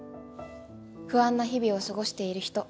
不安な日々を過ごしている人